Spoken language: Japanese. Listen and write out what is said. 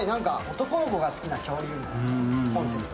男の子が好きな恐竜コンセプト。